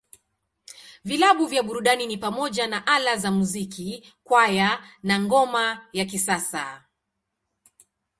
Vilabu vya burudani ni pamoja na Ala za Muziki, Kwaya, na Ngoma ya Kisasa.